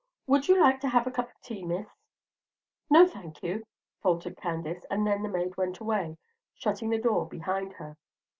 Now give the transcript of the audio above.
Would you like to have a cup of tea, Miss?" "No, thank you," faltered Candace; and then the maid went away, shutting the door behind her.